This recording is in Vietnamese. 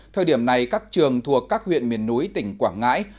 thời điểm này các trường thuộc các huyện miền núi tỉnh quảng ngãi